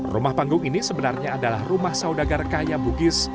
rumah panggung ini sebenarnya adalah rumah saudagar kaya bugis